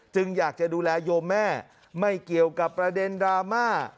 อยากจะดูแลโยมแม่ไม่เกี่ยวกับประเด็นดราม่า